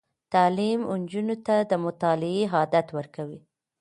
تعلیم نجونو ته د مطالعې عادت ورکوي.